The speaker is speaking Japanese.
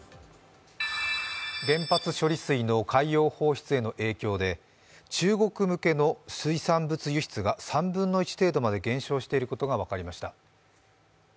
原発処理水の海洋放出への影響で中国向けの水産物輸出が３分の１程度まで減少していることが分かりました。